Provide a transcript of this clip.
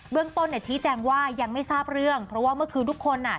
เรื่องต้นเนี่ยชี้แจงว่ายังไม่ทราบเรื่องเพราะว่าเมื่อคืนทุกคนอ่ะ